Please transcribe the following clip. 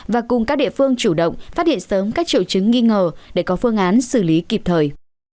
và cùng các địa phương chủ động phát hiện sớm các triệu chứng nghi ngờ để có phương án xử lý kịp thời